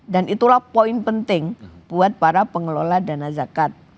dan itulah poin penting buat para pengelola dana zakat